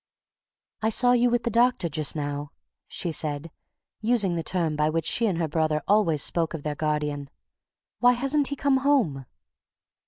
"I saw you with the doctor just now," she said, using the term by which she and her brother always spoke of their guardian. "Why hasn't he come home?"